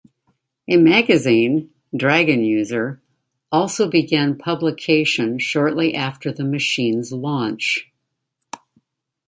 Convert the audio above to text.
A magazine, "Dragon User", also began publication shortly after the machine's launch.